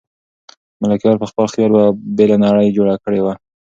ملکیار په خپل خیال یوه بېله نړۍ جوړه کړې ده.